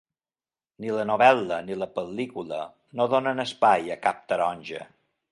Ni la novel·la ni la pel·lícula no donen espai a cap taronja.